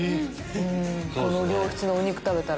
この良質のお肉食べたら。